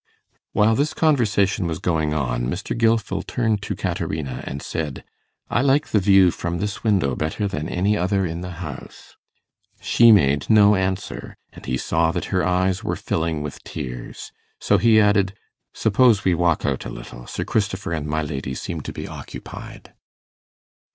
While this conversation was going on, Mr. Gilfil turned to Caterina and said, 'I like the view from this window better than any other in the house.' She made no answer, and he saw that her eyes were filling with tears; so he added, 'Suppose we walk out a little; Sir Christopher and my lady seem to be occupied.